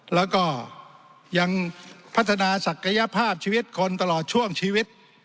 แล้วก็ยังพัฒนาศักยภาพชีวิตคนตลอดช่วงชีวิต